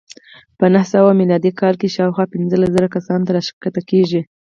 په نهه سوه میلادي کال کې شاوخوا پنځلس زره کسانو ته راښکته کېږي.